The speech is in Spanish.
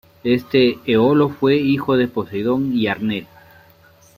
Este Eolo fue hijo de Poseidón y Arne.